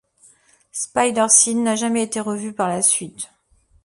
Spidercide n'a jamais été revu par la suite.